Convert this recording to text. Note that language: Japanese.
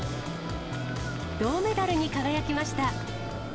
銅メダルに輝きました。